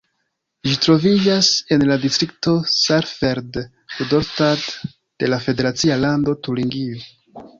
Ĝi troviĝas en la distrikto Saalfeld-Rudolstadt de la federacia lando Turingio.